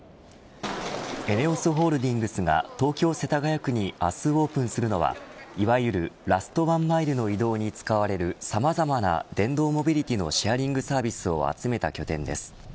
ＥＮＥＯＳホールディングスが東京、世田谷区に明日オープンするのはいわゆる、ラストワンマイルの移動に使われるさまざまな電動モビリティのシェアリングサービスを集めた拠点です。